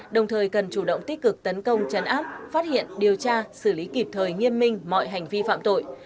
đồng thời cần chủ động tích cực tấn công chấn áp phát hiện điều tra xử lý kịp thời nghiêm minh mọi hành vi phạm tội